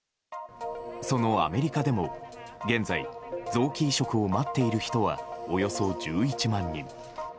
そのアメリカでも現在、臓器移植を待っている人はおよそ１１万人。